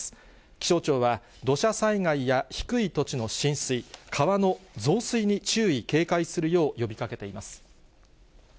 気象庁は、土砂災害や低い土地の浸水、川の増水に注意、警戒するよう呼びかけています。